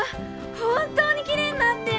本当にきれいになってる！